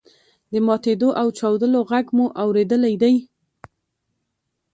د ماتیدو او چاودلو غږ مو اوریدلی دی.